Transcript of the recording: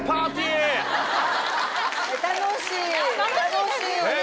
楽しいですよね？